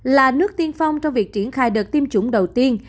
là nước tiên phong trong việc triển khai đợt tiêm chủng đầu tiên